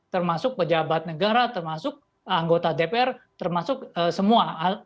termasuk pejabat negara termasuk anggota dpr termasuk semua